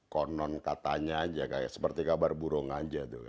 konon katanya aja seperti kabar burung aja